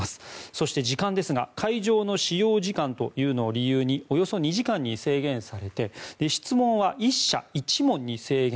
そして時間ですが会場の使用時間というのを理由におよそ２時間に制限されて質問は１社１問に制限。